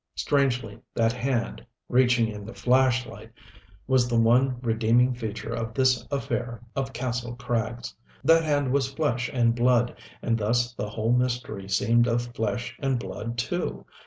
Strangely, that hand reaching in the flashlight was the one redeeming feature of this affair of Kastle Krags. That hand was flesh and blood, and thus the whole mystery seemed of flesh and blood too.